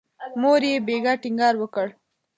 مور یې بیا ټینګار وکړ.